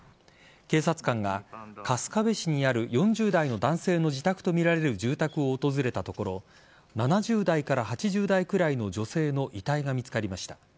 警察官が、春日部市にある４０代の男性の自宅とみられる住宅を訪れたところ７０代から８０代くらいの女性の遺体が見つかりました。